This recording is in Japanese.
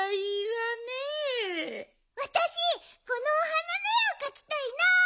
わたしこのお花のえをかきたいな！